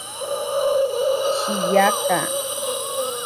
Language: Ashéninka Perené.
Shiyaka.